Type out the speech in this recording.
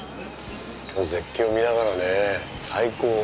絶景を見ながらね最高。